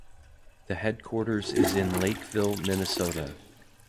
The headquarters is in Lakeville, Minnesota.